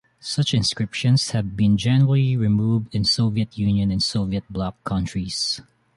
Such inscriptions have been generally removed in Soviet Union and Soviet block countries.